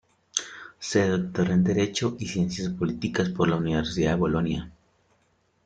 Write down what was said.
Se doctoró en Derecho y Ciencias Políticas por la Universidad de Bolonia.